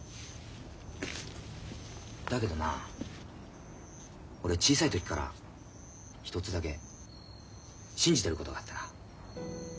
だけどな俺小さい時から１つだけ信じてることがあってな。